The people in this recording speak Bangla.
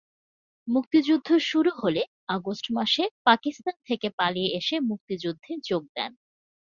মুক্তিযুদ্ধ শুরু হলে আগস্ট মাসে পাকিস্তান থেকে পালিয়ে এসে মুক্তিযুদ্ধে যোগ দেন।